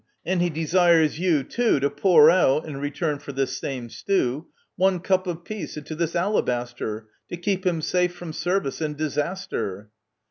And he desires you too To pour out, in return for this same stew, One cup of peace into this alabaster, To keep him safe from service and disaster.